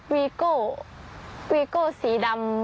วีโก้วีโก้สีดำ